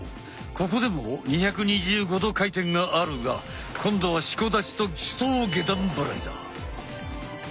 ここでも２２５度回転があるが今度は四股立ちと手刀下段払いだ。